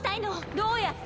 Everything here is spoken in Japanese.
どうやって？